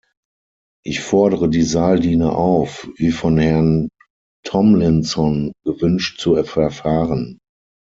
Ich fordere die Saaldiener auf, wie von Herrn Tomlinson gewünscht zu verfahren.